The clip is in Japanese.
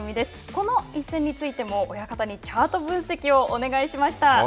この一戦についても親方にチャート分析をお願いしました。